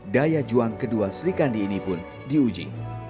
daya juang kedua serikandi ini pun diuji